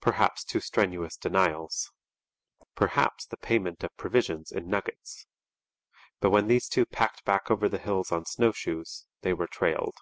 Perhaps too strenuous denials. Perhaps the payment of provisions in nuggets. But when these two packed back over the hills on snowshoes, they were trailed.